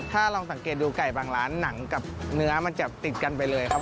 ถ้าลองสังเกตดูไก่บางร้านหนังกับเนื้อมันจะติดกันไปเลยครับ